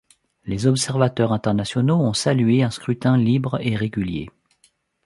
Les observateurs internationaux ont salué un scrutin libre et régulier.